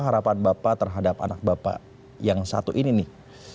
harapan bapak terhadap anak bapak yang satu ini nih